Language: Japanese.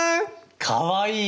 かわいい。